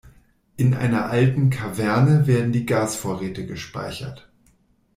In einer alten Kaverne werden die Gasvorräte gespeichert.